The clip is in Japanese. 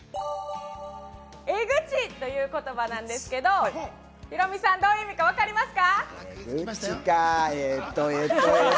エグちという言葉なんですけど、ヒロミさん、どういう意味かわかりますか？